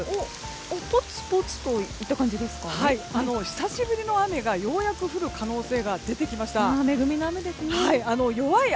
久しぶりの雨がようやく降る可能性が出てきました。